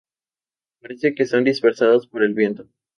Parecen que son dispersadas por el viento.